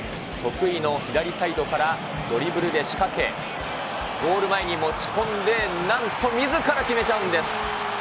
得意の左サイドからドリブルで仕掛け、ゴール前に持ち込んで、なんとみずから決めちゃうんです。